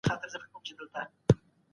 له جاهلانو سره بحث مه کوئ.